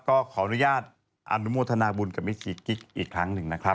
ก็ขออนุญาตอนุโมทนาบุญกับแม่ชีกิ๊กอีกครั้งหนึ่งนะครับ